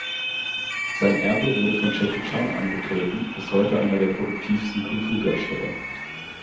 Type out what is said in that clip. Sein Erbe wurde von Jackie Chan angetreten, bis heute einer der produktivsten Kungfu-Darsteller.